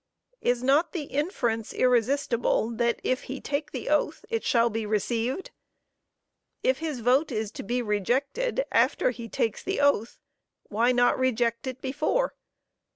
_ Is not the inference irresistible, that, if he take the oath, it shall be received? If his vote is to be rejected after he takes the oath, why not reject it before?